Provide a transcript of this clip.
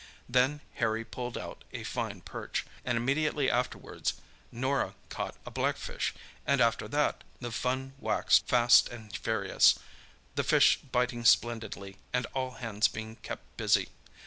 Then Harry pulled out a fine perch, and immediately afterwards Norah caught a blackfish; and after that the fun waxed fast and furious, the fish biting splendidly, and all hands being kept busy.